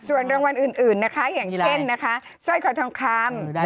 ส่วนรางวัลอื่นนะคะอย่างเช่นนะคะสร้อยคอทองคำ